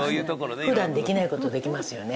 普段できない事できますよね。